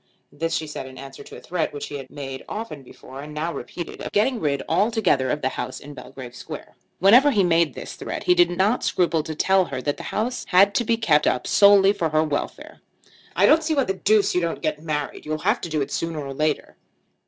This she said in answer to a threat, which he had made often before and now repeated, of getting rid altogether of the house in Belgrave Square. Whenever he made this threat he did not scruple to tell her that the house had to be kept up solely for her welfare. "I don't see why the deuce you don't get married. You'll have to do it sooner or later."